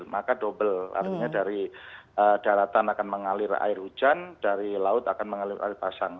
maka double artinya dari daratan akan mengalir air hujan dari laut akan mengalir air pasang